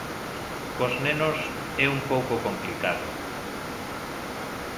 Cos nenos é un pouco complicado.